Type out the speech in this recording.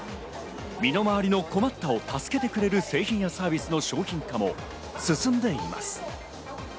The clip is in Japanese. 身の回りの困ったを助けてくれる製品やサービスの商品化も進んでいます。